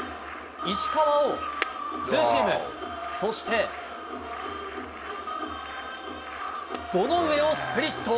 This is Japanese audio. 石川をツーシーム、そして堂上をスプリット。